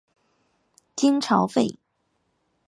金朝废。